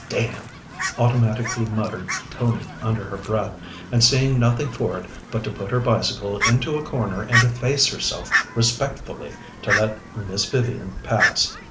"Damn!" automatically muttered Tony under her breath, and seeing nothing for it but to put her bicycle into a corner and efface herself respectfully to let Miss Vivian pass.